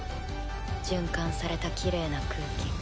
循環されたきれいな空気。